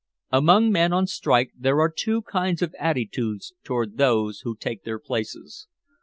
Among men on strike there are two kinds of attitudes toward those who take their places.